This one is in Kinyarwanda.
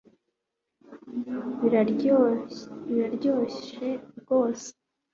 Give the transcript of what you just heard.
Biraryoshe rwose